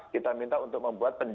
kita minta untuk membuat